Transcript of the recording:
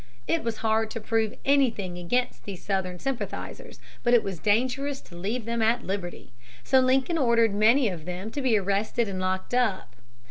It was hard to prove anything against these Southern sympathizers, but it was dangerous to leave them at liberty. So Lincoln ordered many of them to be arrested and locked up.